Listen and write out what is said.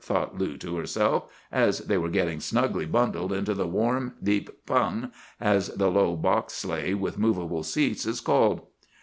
thought Lou to herself, as they were getting snugly bundled into the warm, deep 'pung,' as the low box sleigh with movable seats is called.